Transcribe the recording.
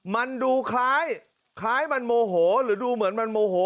มันดูคล้ายมันโมโหหรือดูเหมือนมันโมโห